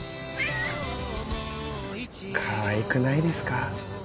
かわいくないですか？